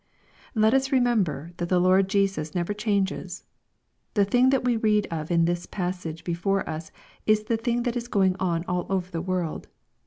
Let us remember, that the Lord Jesus never changes The thing that we read of in the passage before us is the thing that is going on all over the world.